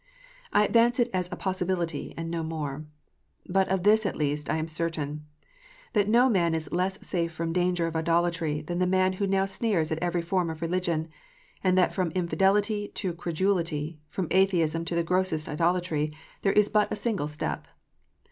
I advance it as a possibility, and no more. But of this at least I am certain, that no man is less safe from danger of idolatry than the man who now sneers at every form of religion ; and that from infidelity to credulity, from atheism to the grossest idolatry, there is but a single step.